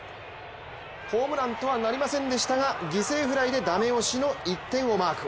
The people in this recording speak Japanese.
ホームランとはなりませんでしたが犠牲フライでダメ押しの１点をマーク。